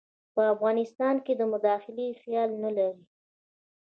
په افغانستان کې د مداخلې خیال نه لري.